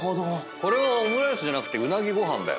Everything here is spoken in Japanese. これはオムライスじゃなくてうなぎご飯だよ。